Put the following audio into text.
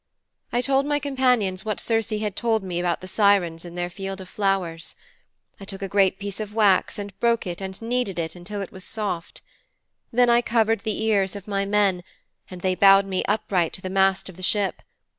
'I told my companions what Circe had told me about the Sirens in their field of flowers. I took a great piece of wax and broke it and kneaded it until it was soft. Then I covered the ears of my men, and they bound me upright to the mast of the ship.